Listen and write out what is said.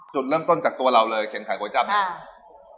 จุดเริ่มต้นจากตัวเราเลยเข็นขายก๋วยจับเนี่ย